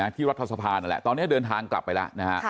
รัฐสภานั่นแหละตอนนี้เดินทางกลับไปแล้วนะฮะ